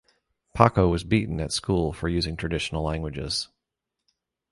Paco was beaten at school for using traditional languages.